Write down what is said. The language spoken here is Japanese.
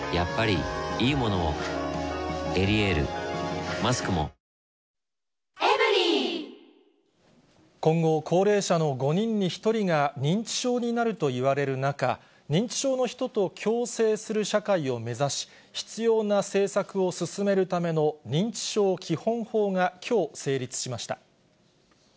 「エリエール」マスクも今後、高齢者の５人に１人が、認知症になるといわれる中、認知症の人と共生する社会を目指し、必要な政策を進めるための認知症基本法が、きょう、成立しました。